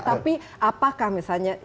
tapi apakah misalnya